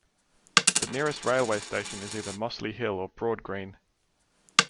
The nearest railway station is either Mossley Hill or Broadgreen.